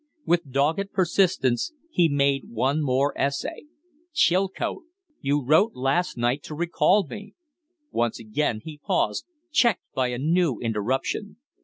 With dogged persistence he made one more essay. "Chilcote, you wrote last night to recall me " Once again he paused, checked by a new interruption.